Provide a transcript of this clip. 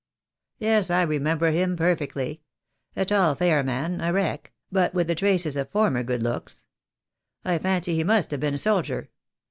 Yes, I remember him perfectly; a tall, fair man, a wreck, but with the traces of former good looks. I fancy he must have been a soldier.